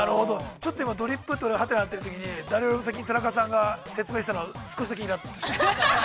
◆ちょっと今ドリップって、？ってなっているときに、誰よりも先に田中さんが説明したのは少しだけいらっとしました。